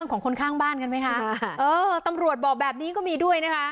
ของคนข้างบ้านกันไหมคะเออตำรวจบอกแบบนี้ก็มีด้วยนะคะ